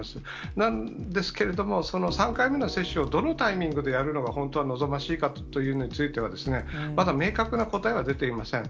なんですけれども、その３回目の接種を、どのタイミングでやるのが本当は望ましいかということについては、まだ明確な答えは出ていません。